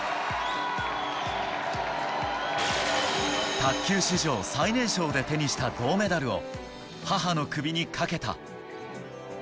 卓球史上最年少で手にした銅メダルを母の首にかけた。